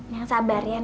yang sabar ya non